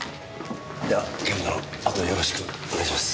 では警部殿あとはよろしくお願いします。